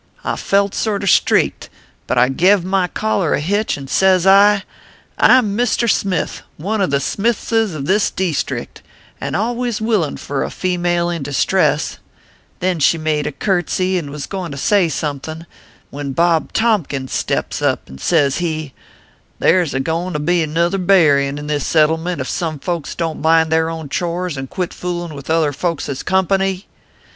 I felt 2 18 ORPHEUS C. KERR PAPERS. sorter streaked ; but I gev my collar a hitch, and sez I : i I m Mister Smith : one of the Smithses of this deestriet, an always willin for a female in distress/ Then she made a curtesy, an was goin to say some thin , when Bob Tompkins steps up, and sez he : There s a goin to be another buryin in this settle ment, ef some folks don t mind their own chores, an quit foolin with other folkses company